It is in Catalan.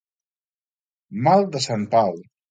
Mal de sant Pau.